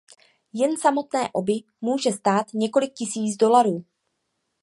Jen samotné obi může stát několik tisíc dolarů.